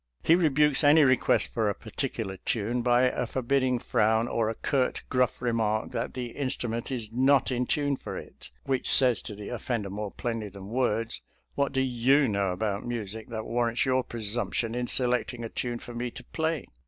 He rebukes any request for a particular tune by a forbidding frown or a curt, gruff remark that the instru ment is not in tune for it, which says to the of fender more plainly than words, " What do you know about music that warrants your presump tion in selecting a tune for me to play?